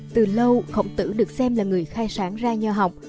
từ lâu khổng tử được xem là người khai sáng ra nho học